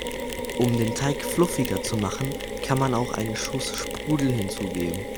Um den Teig fluffiger zu machen, kann man auch einen Schuss Sprudel hinzugeben.